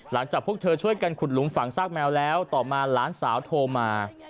หลังจากพวกเธอช่วยกันขุดหลุมฝังซากแมวแล้วต่อมาหลานสาวโทรมา